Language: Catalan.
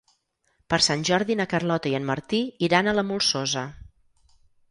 Per Sant Jordi na Carlota i en Martí iran a la Molsosa.